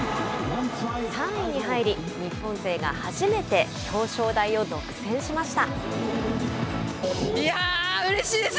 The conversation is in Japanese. ３位に入り、日本勢が初めて表彰台を独占しました。